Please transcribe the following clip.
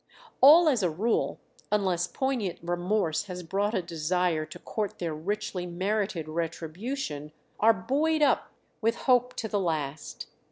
All as a rule, unless poignant remorse has brought a desire to court their richly merited retribution, are buoyed up with hope to the last.